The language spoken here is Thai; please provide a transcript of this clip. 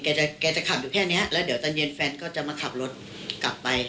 แกจะขับอยู่แค่นี้แล้วเดี๋ยวตอนเย็นแฟนก็จะมาขับรถกลับไป